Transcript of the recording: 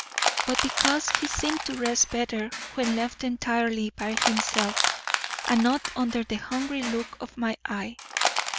but because he seemed to rest better when left entirely by himself and not under the hungry look of my eye.